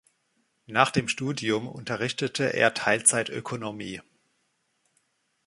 Nach dem Studium unterrichtete er Teilzeitökonomie.